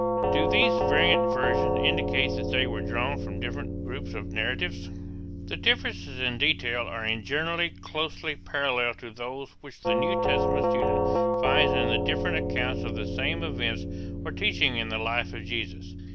Do these variant versions indicate that they were drawn from different groups of narratives? The differences in detail are in general closely parallel to those which the New Testament student finds in the different accounts of the same events or teachings in the life of Jesus.